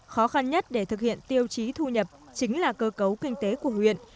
khó khăn nhất để thực hiện tiêu chí thu nhập chính là cơ cấu kinh tế của huyện